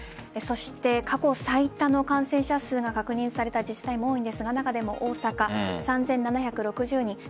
そして過去最多の感染者数が確認された自治体も多いんですが中でも大阪、３７６０人。